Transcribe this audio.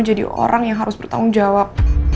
jadi orang yang harus bertanggung jawab